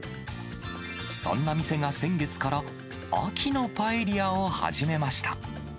そんな店が先月から、秋のパエリアを始めました。